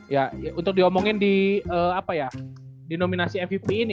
ya untuk diomongin di nominasi mvp ini